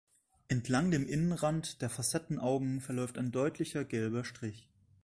Entlang dem Innenrand der Facettenaugen verläuft ein deutlicher gelber Strich.